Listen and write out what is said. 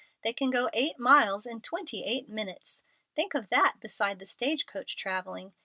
They can go eight miles in twenty eight minutes! Think of that beside the stage coach travelling!